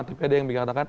tapi ada yang mengatakan